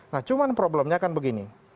nah cuman problemnya kan begini